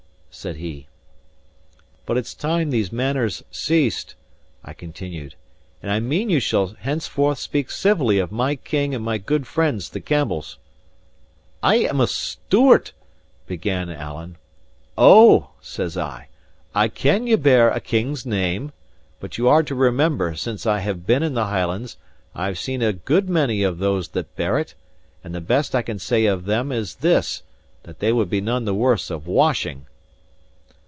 said he. "But it's time these manners ceased," I continued; "and I mean you shall henceforth speak civilly of my King and my good friends the Campbells." "I am a Stewart " began Alan. "O!" says I, "I ken ye bear a king's name. But you are to remember, since I have been in the Highlands, I have seen a good many of those that bear it; and the best I can say of them is this, that they would be none the worse of washing."